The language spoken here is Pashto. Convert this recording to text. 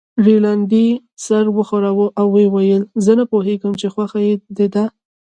رینالډي سر و ښوراوه او ویې ویل: زه نه پوهېدم چې خوښه دې ده.